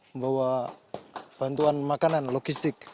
membawa bantuan makanan logistik